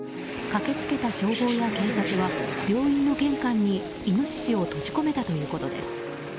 駆け付けた消防や警察は病院の玄関にイノシシを閉じ込めたということです。